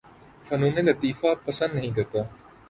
فنون لطیفہ پسند نہیں کرتا